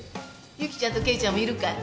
ユキちゃんとケイちゃんもいるかい？